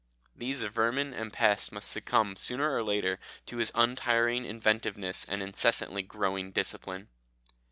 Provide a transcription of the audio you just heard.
These vermin and pests must succumb sooner or later to his untiring inventiveness and incessantly growing discipline.